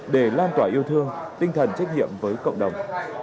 để lan tỏa yêu thương tinh thần trách nhiệm với cộng đồng